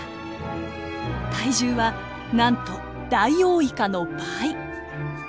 体重はなんとダイオウイカの倍。